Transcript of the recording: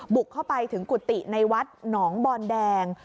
บุกเข้าไปถึงกุฏิในวัดหนองบอนแดง